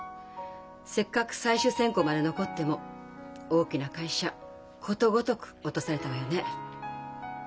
せっかく最終選考まで残っても大きな会社ことごとく落とされたわよね。